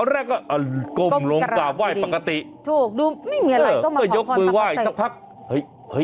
ฝั่งแรกว่ากดมลงกลากว่าไหว้ปกติ